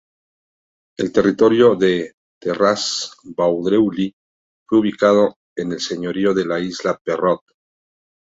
El territorio de Terrasse-Vaudreuil fue ubicado en el señorío de la Isla Perrot.